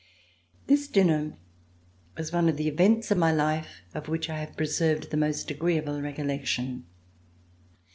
' This dinner was one of the events of my life of which I have preserved the most agreeable recollec tion.